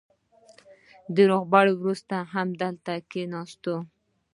تر روغبړ وروسته همدلته کېناستو.